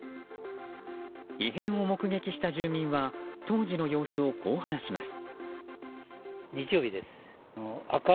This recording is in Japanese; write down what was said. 異変を目撃した住民は当時の様子をこう話します。